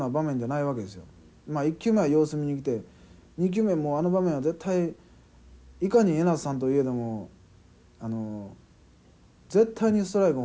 まあ１球目は様子見にきて２球目もうあの場面は絶対いかに江夏さんといえどもあの絶対にストライクが欲しい場面でしょ。